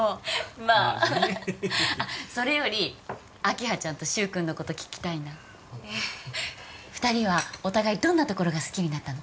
まあねそれより明葉ちゃんと柊君のこと聞きたいなえっ二人はお互いどんなところが好きになったの？